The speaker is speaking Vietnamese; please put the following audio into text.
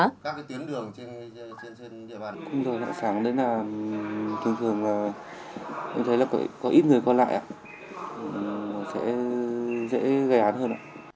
các tiến đường trên địa bàn không đổi lại sáng đến là thường thường có ít người còn lại sẽ dễ gây án hơn